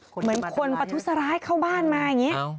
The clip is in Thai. เหมือนคนประทุษร้ายเข้าบ้านมาอย่างนี้